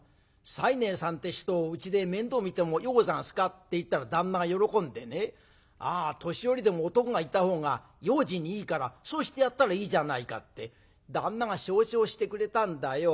西念さんって人をうちで面倒見てもよござんすかって言ったら旦那が喜んでねあ年寄りでも男がいた方が用心にいいからそうしてやったらいいじゃないかって旦那が承知をしてくれたんだよ。